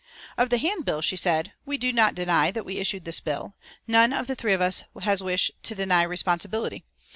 Of the handbill she said: "We do not deny that we issued this bill; none of us three has wished to deny responsibility.